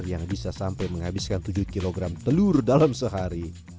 yang bisa sampai menghabiskan tujuh kg telur dalam sehari